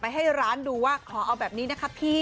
ให้ร้านดูว่าขอเอาแบบนี้นะคะพี่